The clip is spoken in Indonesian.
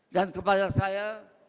dan kepada saya